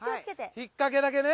引っ掛けだけね。